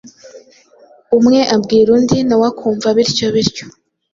Umwe abwira undi na we akumva bityo bityo.